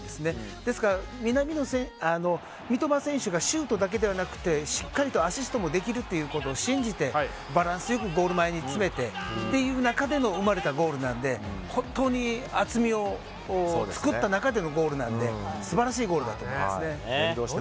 ですから、三笘選手がシュートだけではなくてしっかりとアシストもできるということを信じてバランスよくゴール前に詰めてっていう中で生まれたゴールなので本当に厚みを作った中でのゴールなので素晴らしいゴールだと思いますね。